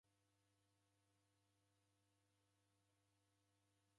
W'andu w'aw'eseria malagho ghiboo.